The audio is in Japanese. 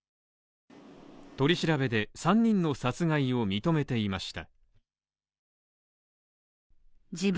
取り調べで、３人の殺害を認めていました。